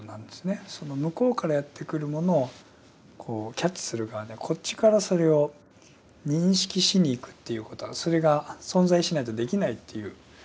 その向こうからやってくるものをキャッチする側でこっちからそれを認識しにいくということはそれが存在しないとできないということですよね。